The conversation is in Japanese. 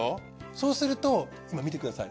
そうすると見てください。